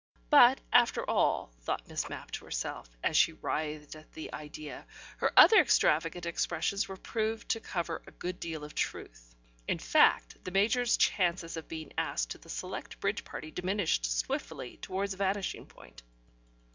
But, after all, thought Miss Mapp to herself, as she writhed at the idea, her other extravagant expressions were proved to cover a good deal of truth. In fact, the Major's chance of being asked to the select bridge party diminished swiftly towards vanishing point.